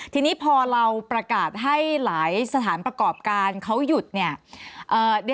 ทีนี้พอเราประกาศให้หลายสถานประกอบการเขาหยุดเนี่ย